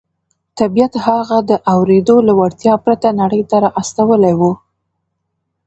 طبیعت هغه د اورېدو له وړتیا پرته نړۍ ته را استولی و